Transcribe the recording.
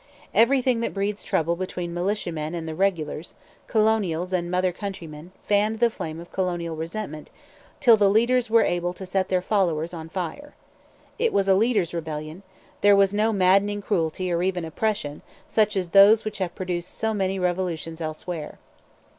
Everything that breeds trouble between militiamen and regulars, colonials and mother countrymen, fanned the flame of colonial resentment till the leaders were able to set their followers on fire. It was a leaders' rebellion: there was no maddening cruelty or even oppression such as those which have produced so many revolutions elsewhere.